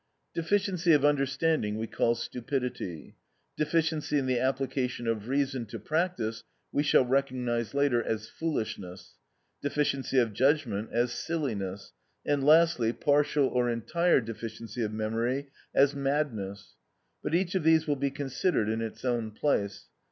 Deficiency of understanding we call stupidity: deficiency in the application of reason to practice we shall recognise later as foolishness: deficiency of judgment as silliness, and lastly, partial or entire deficiency of memory as madness. But each of these will be considered in its own place.